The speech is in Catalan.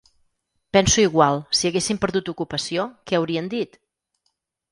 Penso igual, si haguéssim perdut ocupació, què haurien dit?